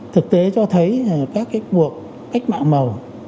thực tế cho thấy các cuộc cách mạng màu